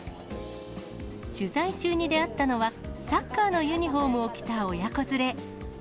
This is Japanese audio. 取材中に出会ったのは、サッカーのユニホームを着た親子連れ。